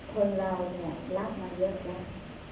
คนเราเนี่ยรักมาเยอะไหม